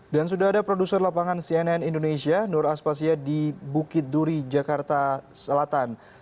dan sudah ada produser lapangan cnn indonesia nur aspasya di bukit duri jakarta selatan